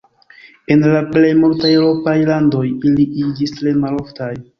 En la plej multaj eŭropaj landoj ili iĝis tre maloftaj.